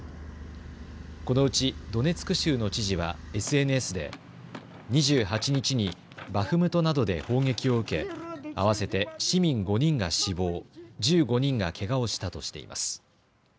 このうちドネツク州の知事はＳＮＳで２８日にバフムトなどで砲撃を受け、合わせて市民５人が死亡、１５人がけがをしたとしています。